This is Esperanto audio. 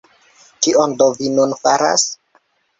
Kion do vi nun faras?